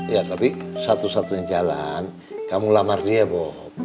ya tapi satu satunya jalan kamu lamar dia bu